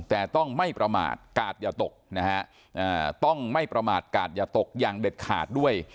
แต่ต้องไม่ประมาทกาดอย่าตกนะฮะต้องไม่ประมาทกาดอย่าตกอย่างเด็ดขาดด้วย